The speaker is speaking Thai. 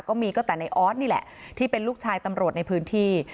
ก็มีก็แต่ในออสนี่แหละที่เป็นลูกชายตำรวจในพื้นที่